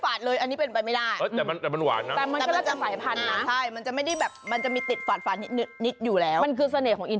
อ่ะเดี๋ยวให้ฟวงหนึ่ง